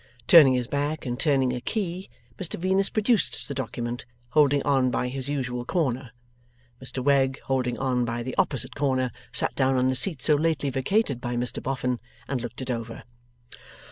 Turning his back and turning a key, Mr Venus produced the document, holding on by his usual corner. Mr Wegg, holding on by the opposite corner, sat down on the seat so lately vacated by Mr Boffin, and looked it over.